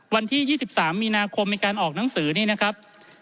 วันที่๒๓มีนาคมมีการออกหนังสือนี่นะครับ